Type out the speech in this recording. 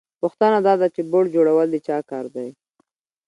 پوښتنه دا ده چې بوټ جوړول د چا کار دی